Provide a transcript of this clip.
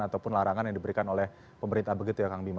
ataupun larangan yang diberikan oleh pemerintah begitu ya kang bima